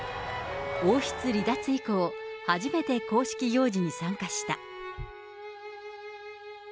王室離脱以降、初めて公式行事に参加した。